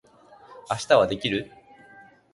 明日はできる？